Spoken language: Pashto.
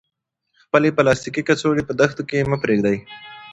خپلې پلاستیکي کڅوړې په دښتو کې مه پریږدئ.